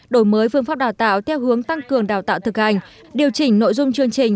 đổi mới phương pháp đào tạo theo hướng tăng cường đào tạo thực hành điều chỉnh nội dung chương trình